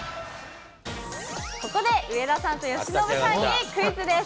ここで、上田さんと由伸さんにクイズです。